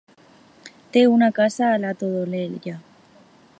Té una casa a la Todolella.